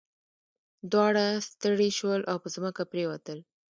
دواړه ستړي شول او په ځمکه پریوتل.